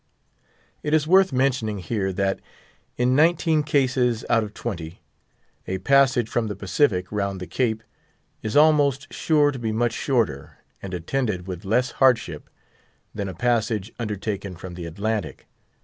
It is worth mentioning here that, in nineteen cases out of twenty, a passage from the Pacific round the Cape is almost sure to be much shorter, and attended with less hardship, than a passage undertaken from the Atlantic.